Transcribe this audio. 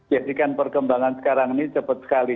jadi kan perkembangan sekarang ini cepat sekali